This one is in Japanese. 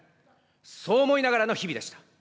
そう思いながらの日々でした。